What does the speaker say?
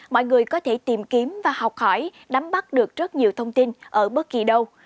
mọi người có thể tìm kiếm và học hỏi nắm bắt được rất nhiều thông tin ở bất kỳ đâu